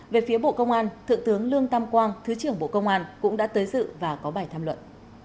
về phía bộ công an thượng tướng lương tam quang thứ trưởng bộ công an cũng đã tới dự và có bài tham luận